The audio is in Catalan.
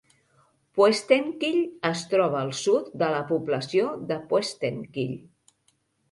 Poestenkill es troba al sud de la població de Poestenkill.